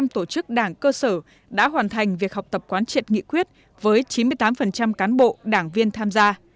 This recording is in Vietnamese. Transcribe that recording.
một mươi tổ chức đảng cơ sở đã hoàn thành việc học tập quán triệt nghị quyết với chín mươi tám cán bộ đảng viên tham gia